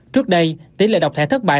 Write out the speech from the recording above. trước đây tỷ lệ đọc thẻ thất bại